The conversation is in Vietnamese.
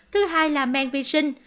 thứ hai là men vi sinh